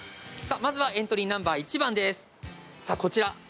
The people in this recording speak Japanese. さあ、まずはエントリーナンバー１番です。